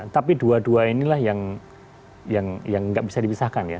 tapi dua dua inilah yang tidak bisa dibisahkan ya